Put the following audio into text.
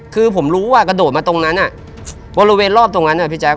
คือผมรู้ว่ากระโดดมาตรงนั้นบริเวณรอบตรงนั้นพี่แจ๊